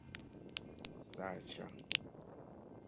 saĝa